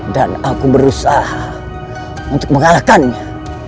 aku berusaha untuk mengalahkannya